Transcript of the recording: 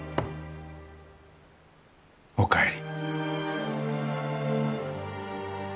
お帰り。